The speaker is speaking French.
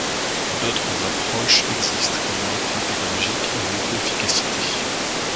D'autres approches existent, comme l'empreinte écologique et l'éco-efficacité.